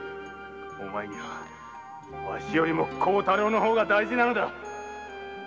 お前はわしより孝太郎の方が大事なのだ！〕